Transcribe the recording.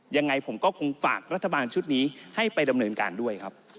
ยังไงผมก็คงฝากรัฐบาลชุดนี้ให้ไปดำเนินการด้วยครับ